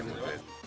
semua saya tanya